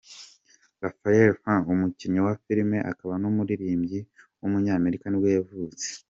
Ralph Fiennes, umukinnyi wa filime akaba n’umuririmbyi w’umunyamerika nibwo yavutse.